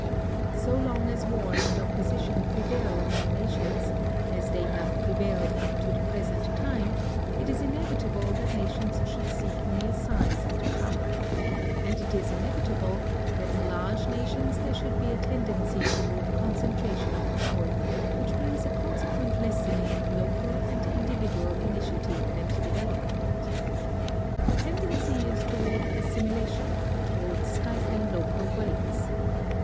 So long as war and opposition prevail among nations, as they have prevailed up to the present time, it is inevitable that nations should seek mere size and power. And it is inevitable that in large nations there should be a tendency toward con centration of power, which brings a consequent lessening of local and individual initiative and development. The tendency is toward assimilation, toward stifling local ways.